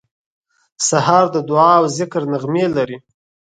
سهار د دعا او ذکر نغمې لري.